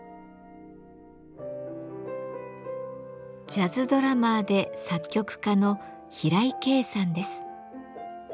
ジャズドラマーで作曲家の平井景さんです。